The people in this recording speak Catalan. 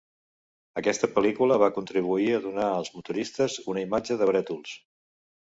Aquesta pel·lícula va contribuir a donar als motoristes una imatge de brètols.